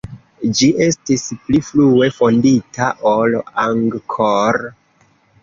Ĝi estis pli frue fondita ol Angkor.